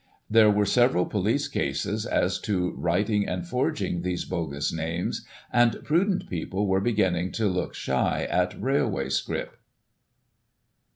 273 There were several police cases as to writing and forging these bogus names, and prudent people were beginning to look shy at railway scrip.